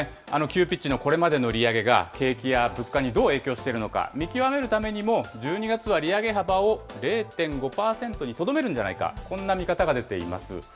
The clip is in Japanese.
急ピッチのこれまでの利上げが景気や物価にどう影響しているのか、見極めるためにも、１２月は利上げ幅を０．５％にとどめるんじゃないか、こんな見方が出ています。